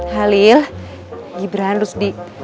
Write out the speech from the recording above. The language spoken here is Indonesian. halil gibran rusdi